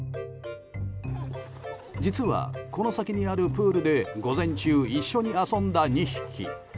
実は、この先にあるプールで午前中、一緒に遊んだ２匹。